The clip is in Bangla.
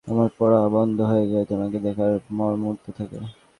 আমার পড়া বন্ধ হয়ে যায়, তোমাকে দেখার পরমুহূর্ত থেকে।